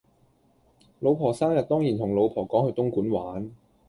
老婆生日當然同老婆講去東莞玩